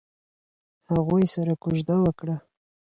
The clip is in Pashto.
هغوی سره کوژده وکړه.